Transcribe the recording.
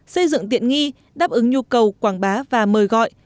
xây dựng tiện nghi đáp ứng nhu cầu quảng bá và mời gọi